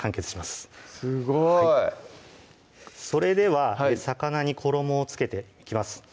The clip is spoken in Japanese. すごいそれでは魚に衣を付けていきます